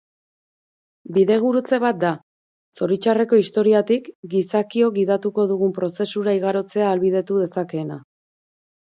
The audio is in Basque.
Bidegurutze bat da, zoritxarreko historiatik gizakiok gidatuko dugun prozesura igarotzea ahalbidetu dezakeena.